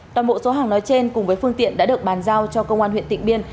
toàn bộ số hàng nói trên cùng với phương tiện đã được bàn giao cho công an huyện tịnh biên